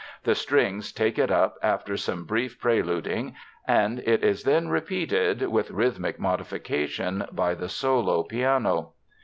The strings take it up after some brief preluding, and it is then repeated, with rhythmic modification, by the solo piano.